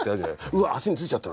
「うわ足についちゃった」